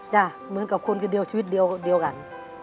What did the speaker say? เหมือนกับคนคนเดียวชีวิตเดียวกัน